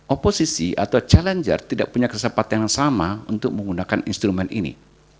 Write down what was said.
oposisi atau challenger tidak punya kesempatan yang sama untuk menggunakan instrumen ini